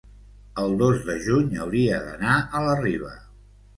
el dos de juny hauria d'anar a la Riba.